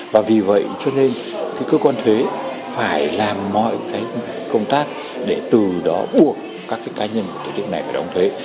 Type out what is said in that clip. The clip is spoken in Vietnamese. và vì vậy cho nên cái cơ quan thuế phải làm mọi cái công tác để từ đó buộc các cái cá nhân của tổ chức này phải đóng thuế